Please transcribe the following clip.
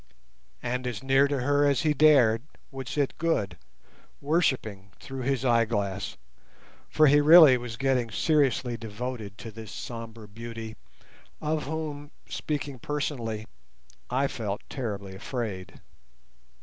And as near to her as he dared would sit Good, worshipping through his eyeglass, for he really was getting seriously devoted to this sombre beauty, of whom, speaking personally, I felt terribly afraid.